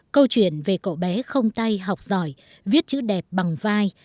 câu chuyện về cậu bé không tay học giỏi viết chữ đẹp bằng vai